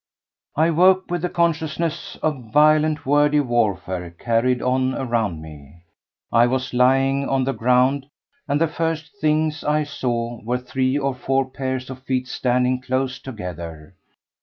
3. I woke with the consciousness of violent wordy warfare carried on around me. I was lying on the ground, and the first things I saw were three or four pairs of feet standing close together.